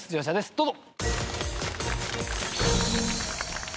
どうぞ。